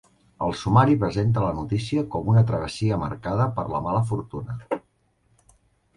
El sumari presenta la notícia com una travessia marcada per la mala fortuna.